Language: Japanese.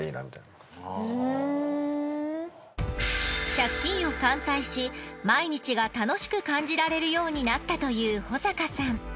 借金を完済し毎日が楽しく感じられるようになったという保坂さん。